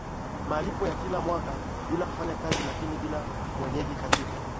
malipo ya kila mwaka bila kufanya kazi lakini bila mwenyeji katika